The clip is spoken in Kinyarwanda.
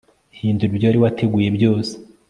Hindura ibyo wari wateguye byose